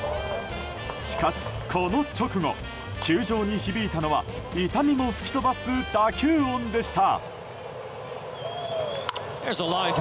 しかし、この直後球場に響いたのは痛みも吹き飛ばす打球音でした。